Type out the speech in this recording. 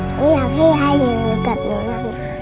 ผมอยากให้ยายอยู่กับหนูนานนานค่ะ